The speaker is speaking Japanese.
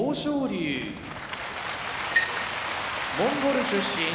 龍モンゴル出身